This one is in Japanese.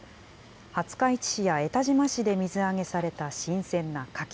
廿日市市や江田島市で水揚げされた新鮮なカキ。